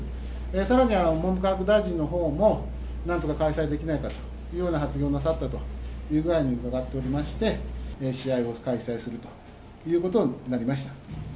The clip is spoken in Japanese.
さらに文部科学大臣のほうも、なんとか開催できないかというような発言をなさったという具合に伺っておりまして、試合を開催するということになりました。